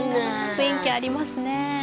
雰囲気ありますね